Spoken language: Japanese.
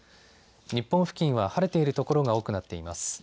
日本付近は晴れている所が多くなっています。